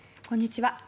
こんにちは。